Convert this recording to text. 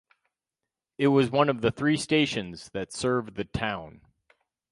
It was one of three stations that served the town.